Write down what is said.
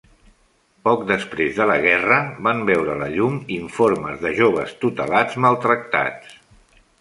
Poc després de la guerra, van veure la llum informes de joves tutelats maltractats.